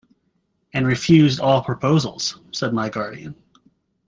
"And refused all proposals," said my guardian.